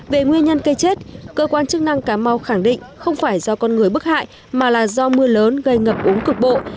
về nguyên nhân cây chết cơ quan chức năng cà mau khẳng định không phải do con người bức hại mà là do mưa lớn gây ngập úng cục bộ